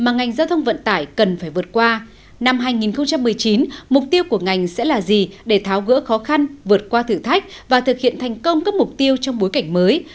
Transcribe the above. năm hai nghìn một mươi chín mục tiêu của ngành sẽ là gì để tháo gỡ khó khăn vượt qua thử thách và thực hiện thành công các mục tiêu trong bối cảnh mới